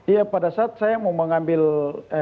iya pada saat saya mau mengambil